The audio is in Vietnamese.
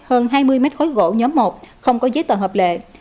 hơn hai mươi mét khối gỗ nhóm một không có giấy tờ hợp lệ